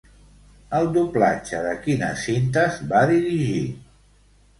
El doblatge de quines cintes va dirigir?